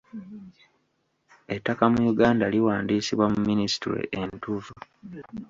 Ettaka mu Uganda liwandiisibwa mu minisitule entuufu.